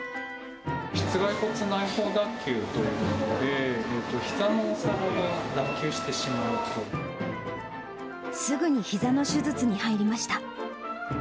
膝蓋骨内包脱臼というもので、すぐにひざの手術に入りました。